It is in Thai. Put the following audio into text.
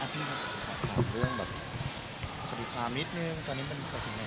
พี่ถามเรื่องแบบความความนิดนึงตอนนี้มันเป็นความที่ไหน